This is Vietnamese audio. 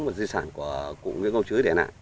một di sản của cụ nguyễn công chứ